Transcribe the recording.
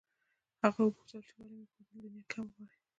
هغې وپوښتل چې ولې مې په بله دنیا کې هم غواړې